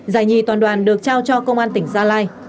giải nhì toàn đoàn được trao cho công an tỉnh gia lai